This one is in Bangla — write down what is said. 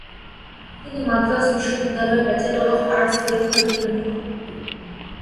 তিনি মাদ্রাজ বিশ্ববিদ্যালয়ের ব্যাচেলর অব আর্টস পরীক্ষায় উত্তীর্ণ হন।